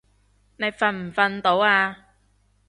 你瞓唔瞓到啊？